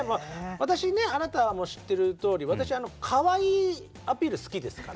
私ねあなたも知ってるとおり私かわいいアピール好きですから。